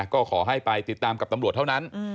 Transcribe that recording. ก็ขอให้ไปติดตามกับตำรวจเท่านั้น